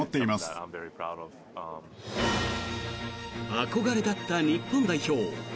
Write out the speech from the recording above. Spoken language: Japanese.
憧れだった日本代表。